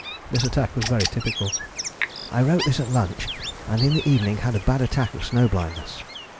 This attack was very typical. "I wrote this at lunch and in the evening had a bad attack of snow blindness."